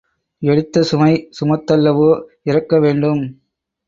எடுத்த சுமை சுமத்தல்லவோ இறக்க வேண்டும்?